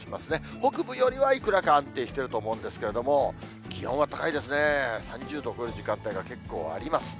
北部よりは、いくらか安定していると思うんですけれども、気温は高いですね、３０度を超える時間帯が結構あります。